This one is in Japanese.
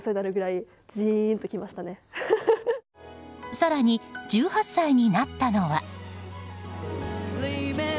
更に、１８歳になったのは。